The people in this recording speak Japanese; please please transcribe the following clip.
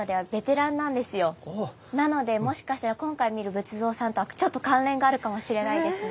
なのでもしかしたら今回見る仏像さんとはちょっと関連があるかもしれないですね。